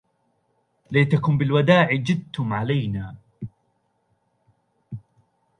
ليتكم بالوداع جدتم علينا